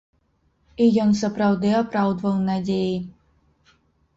І ён сапраўды апраўдваў надзеі.